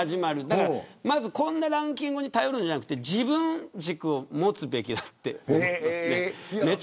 だから、こんなランキングに頼るんじゃなくて自分軸を持つべきだって思っています。